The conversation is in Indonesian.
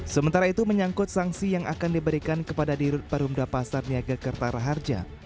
sementara itu menyangkut sanksi yang akan diberikan kepada dirut perumda pasar niaga kertara harja